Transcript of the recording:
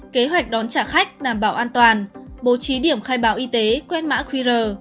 kế hoạch đón trả khách đảm bảo an toàn bố trí điểm khai báo y tế quét mã qr